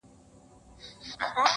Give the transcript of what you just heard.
د تاش په پتو مــــــې پيسې ګټلي